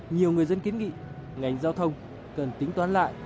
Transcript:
nhiều người dân kiến nghị ngành giao thông cần tính toán lại